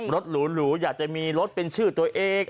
รถหรูอยากจะมีรถเป็นชื่อตัวเอง